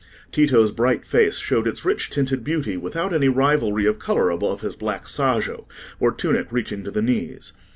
Tito's bright face showed its rich tinted beauty without any rivalry of colour above his black sajo or tunic reaching to the knees.